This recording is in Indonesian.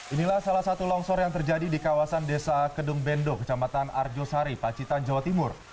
inilah salah satu longsor yang terjadi di kawasan desa kedung bendo kecamatan arjosari pacitan jawa timur